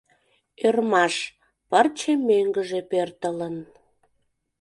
— Ӧрмаш, пырче мӧҥгыжӧ пӧртылын.